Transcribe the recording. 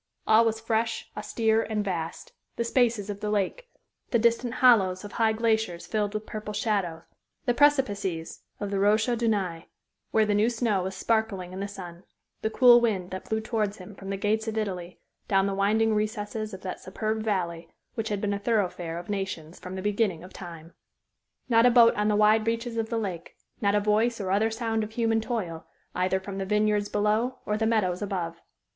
All was fresh, austere, and vast the spaces of the lake, the distant hollows of high glaciers filled with purple shadow, the precipices of the Rochers de Naye, where the new snow was sparkling in the sun, the cool wind that blew towards him from the gates of Italy, down the winding recesses of that superb valley which has been a thoroughfare of nations from the beginning of time. Not a boat on the wide reaches of the lake; not a voice or other sound of human toil, either from the vineyards below or the meadows above.